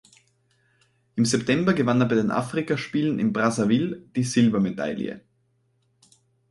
Im September gewann er bei den Afrikaspielen in Brazzaville die Silbermedaille.